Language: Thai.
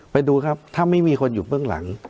ไปดูครับถ้าไม่มีคนอยู่เบื้องหลัง